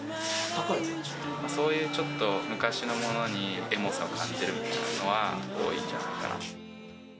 そういうちょっと、昔のものにエモさを感じるみたいなのは多いんじゃないかなと。